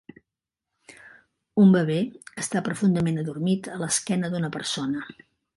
Un bebè està profundament adormit a l'esquena d'una persona.